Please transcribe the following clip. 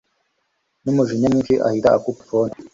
numujinya mwinshi ahita akupa phone